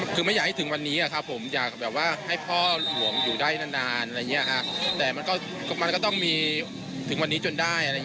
พวกอาหารส์ขนมเรา